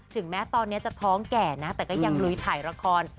ถึงแม้ตอนนี้จะท้องแก่นะแต่ก็ยังลุยถ่ายละคร